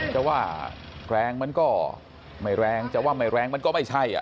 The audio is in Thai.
จะว่าแรงมันก็ไม่แรงจะว่าไม่แรงมันก็ไม่ใช่